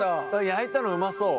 焼いたのうまそう。